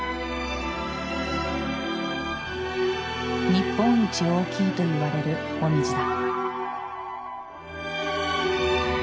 日本一大きいといわれるモミジだ。